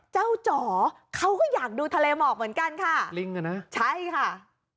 จ๋อเขาก็อยากดูทะเลหมอกเหมือนกันค่ะลิงอ่ะนะใช่ค่ะ